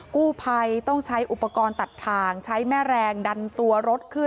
กู้ภัยต้องใช้อุปกรณ์ตัดทางใช้แม่แรงดันตัวรถขึ้น